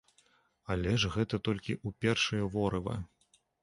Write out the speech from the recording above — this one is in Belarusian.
Але ж гэта толькі ў першае ворыва.